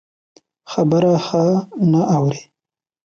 خبره ښه نه اوري.